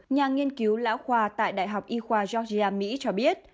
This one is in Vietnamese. nhà nghiên cứu lão khoa tại đại học y khoa georgia mỹ cho biết